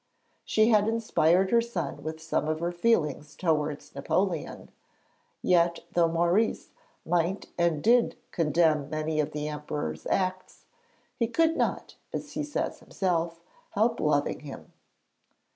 She had inspired her son with some of her feelings towards Napoleon; yet, though Maurice might and did condemn many of the Emperor's acts, he could not, as he says himself, help loving him.